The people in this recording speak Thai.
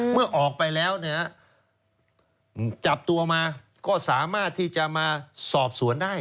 เมื่อออกไปแล้วจับตัวมาก็สามารถที่จะมาสอบสวนได้